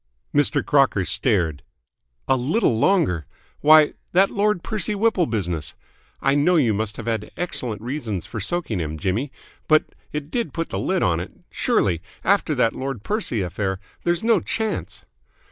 Mr. Crocker stared. "A little longer? Why, that Lord Percy Whipple business I know you must have had excellent reasons for soaking him, Jimmy, but it did put the lid on it surely, after that Lord Percy affair there's no chance